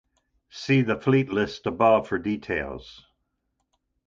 See the Fleet List above for details.